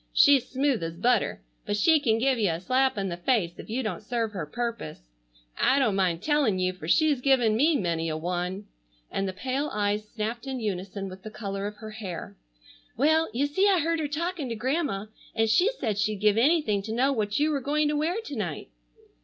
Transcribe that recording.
She's smooth as butter, but she can give you a slap in the face if you don't serve her purpose. I don't mind telling you for she's given me many a one," and the pale eyes snapped in unison with the color of her hair. "Well, you see I heard her talking to Grandma, and she said she'd give anything to know what you were going to wear to night."